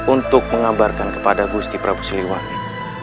untuk mengabarkan kepada gusti prabu suliwangi